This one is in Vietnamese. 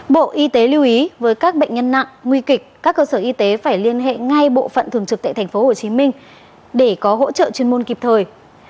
bộ y tế lưu ý với các bệnh nhân nặng nguy kịch các cơ sở y tế phải liên hệ ngay bộ phận thường trực tại tp hcm để có hỗ trợ chuyên môn kịp thời